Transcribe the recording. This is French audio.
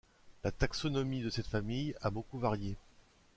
La taxonomie de cette famille a beaucoup varié.